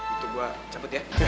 itu gua cabut ya